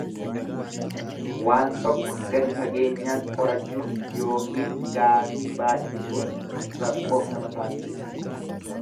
Waan tokko gadi fageenyaan qorachuun yookiin gaafii baay'isuun rakkoof nama saaxila.